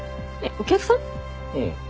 うん。